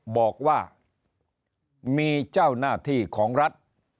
บอกว่ามีเจ้าหน้าที่ของรัฐ